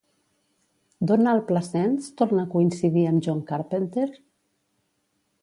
Donald Pleasence torna a coincidir amb John Carpenter?